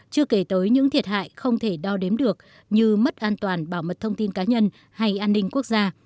chưa kể tới những thiệt hại không thể đo đếm được như mất an toàn bảo mật thông tin cá nhân hay an ninh quốc gia